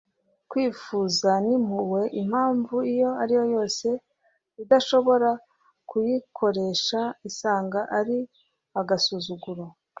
kwifuza ni impuhwe impamvu iyo ari yo yose idashobora kuyikoresha isanga ari agasuzuguro